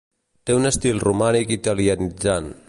Té un estil romàntic italianitzant.